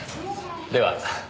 では。